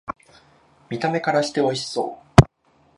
見た目からしておいしそう